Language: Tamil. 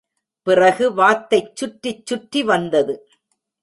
பிறகு வாத்தைச் சுற்றிச் சுற்றி வந்தது.